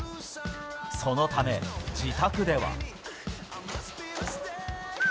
そのため、自宅では。